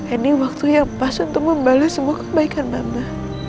ini waktu yang pas untuk membalas semua kebaikan mama